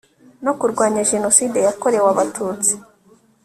no kurwanya genocide yakorewe abatutsi